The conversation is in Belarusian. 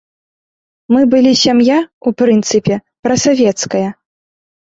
Мы былі сям'я, у прынцыпе, прасавецкая.